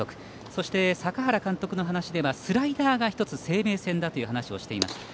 そして、坂原監督の話ではスライダーが１つ生命線だという話をしていました。